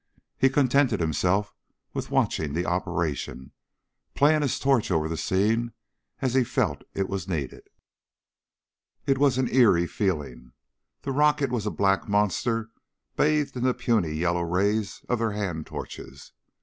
He contented himself with watching the operation, playing his torch over the scene as he felt it was needed. It was an eery feeling. The rocket was a black monster bathed in the puny yellow rays of their hand torches.